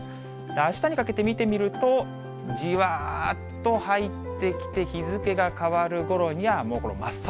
あしたにかけて見てみると、じわーっと入ってきて、日付が変わるころには、もう真っ青。